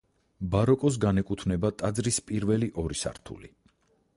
ბაროკოს განეკუთვნება ტაძრის პირველი ორი სართული.